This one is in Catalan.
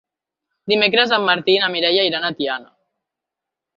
Dimecres en Martí i na Mireia iran a Tiana.